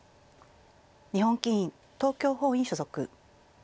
日本棋院東京本院所属。